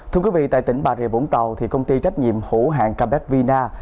thưa quý vị tại tỉnh bà rìa vũng tàu thì công ty trách nhiệm hữu hàng kbvna